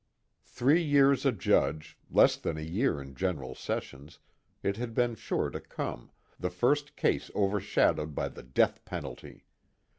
Three years a judge, less than a year in General Sessions it had been sure to come, the first case overshadowed by the death penalty.